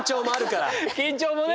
緊張もね！